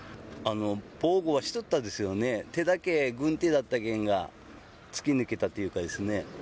防護はしとったですよね、手だけ軍手だったけんが、突き抜けたっていうかですね。